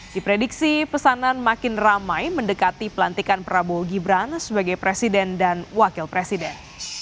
diprediksi pesanan makin ramai mendekati pelantikan prabowo gibran sebagai presiden dan wakil presiden